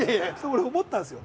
俺思ったんですよ。